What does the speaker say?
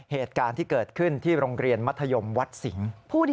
เหตุการณ์ที่เกิดขึ้นที่โรงเรียนมัธยมวัดสิงศ์